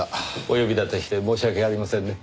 お呼びだてして申し訳ありませんね。